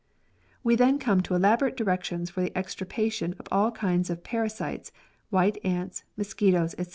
We then come to elaborate directions for the extir pation of all kinds of parasites, white ants, mosquitoes, &c.